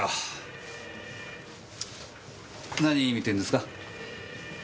何見てんですか？